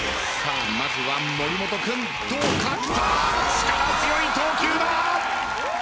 力強い投球だ！